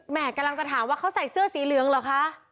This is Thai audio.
กำลังจะถามว่าเขาใส่เสื้อสีเหลืองเหรอคะ